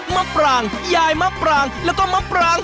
มะปรางยายมะปรางแล้วก็มะปราง